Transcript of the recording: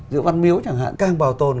giữa văn miếu chẳng hạn càng bảo tồn